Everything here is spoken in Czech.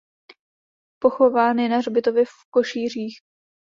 Pochován je na hřbitově v Košířích.